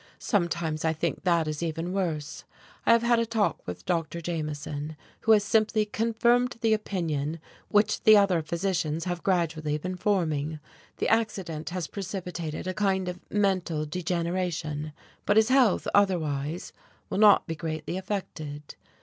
Sometimes I think that is even worse. I have had a talk with Dr. Jameson, who has simply confirmed the opinion which the other physicians have gradually been forming. The accident has precipitated a kind of mental degeneration, but his health, otherwise, will not be greatly affected.